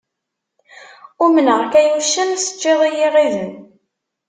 Umneɣ-k ay uccen, teččiḍ-iyi iɣiden.